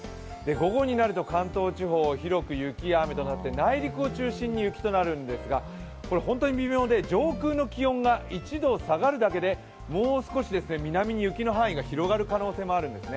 午後になると関東地方、広く雪や雨となって内陸を中心に雪となるんですが本当に微妙で上空の気温が１度下がるだけでもう少しですね、南に雪の範囲が広がる可能性があるんですね。